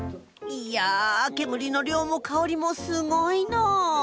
いや煙の量も香りもすごいの！